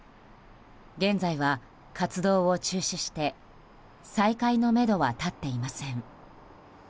現在は活動を中止して再開のめどは立っていません。